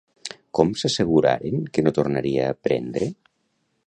Com s'asseguraren que no tornaria a prendre?